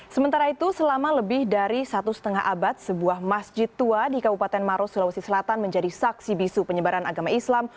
sementara itu selama lebih dari satu lima abad sebuah masjid tua di kabupaten maros sulawesi selatan menjadi saksi bisu penyebaran agama islam